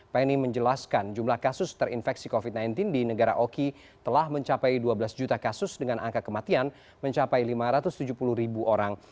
penny menjelaskan jumlah kasus terinfeksi covid sembilan belas di negara oki telah mencapai dua belas juta kasus dengan angka kematian mencapai lima ratus tujuh puluh ribu orang